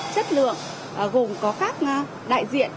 chất lượng gồm có các đại diện